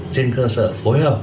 trên cơ sở phối hợp